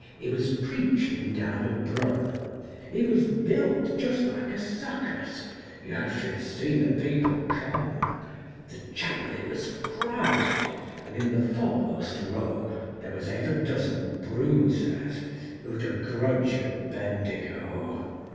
He was preachin' down at Brum, He was billed just like a circus, you should see the people come, The chapel it was crowded, and in the fore most row, There was half a dozen bruisers who'd a grudge at Bendigo.